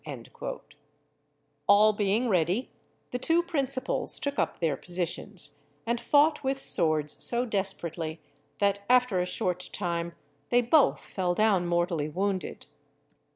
_" All being ready, the two principals took up their positions, and fought with swords so desperately, that after a short time they both fell down mortally wounded.